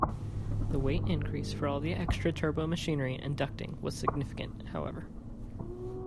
The weight increase for all the extra turbomachinery and ducting was significant, however.